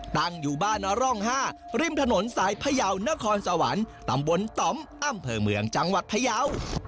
ตั้งอยู่บ้านนร่อง๕ริมถนนสายพยาวนครสวรรค์ตำบลต่อมอำเภอเมืองจังหวัดพยาว